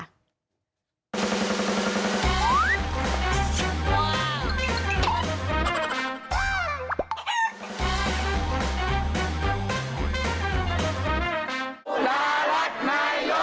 ตลาดนายกพลภิษัน